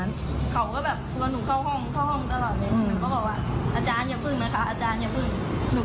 หนูก็บอกว่าอาจารย์อย่าพึ่งนะคะอาจารย์อย่าพึ่ง